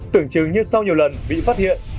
tưởng chừng như sau nhiều lần bị phát hiện